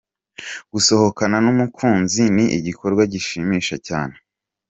Gusohokana n'umukunzi ni igikorwa gishimisha cyane.